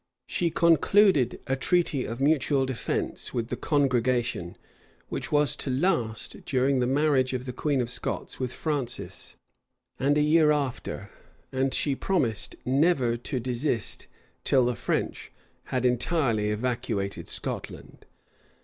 She concluded a treaty of mutual defence with the congregation, which was to last during the marriage of the queen of Scots with Francis, and a year after; and she promised never to desist till the French had entirely evacuated Scotland.